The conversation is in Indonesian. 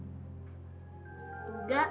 jadi kenapa dong sayang